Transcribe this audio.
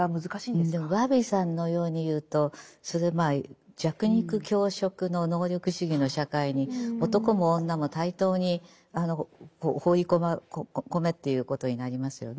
でもバービーさんのように言うとそれ弱肉強食の能力主義の社会に男も女も対等に放り込めということになりますよね。